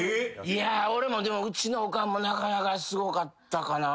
いや俺もうちのおかんもなかなかすごかったかな。